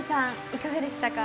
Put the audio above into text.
いかがでしたか？